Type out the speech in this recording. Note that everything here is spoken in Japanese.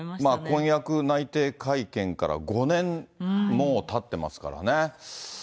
婚約内定会見から５年、もうたってますからね。